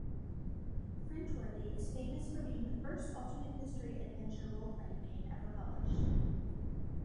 "Fringeworthy" is famous for being the first alternate history adventure role-playing game ever published.